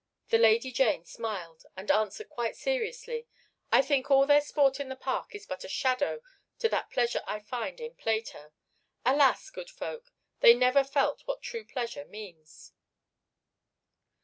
The Lady Jane smiled, and answered quite seriously, "I think all their sport in the park is but a shadow to that pleasure I find in Plato. Alas! good folk, they never felt what true pleasure means."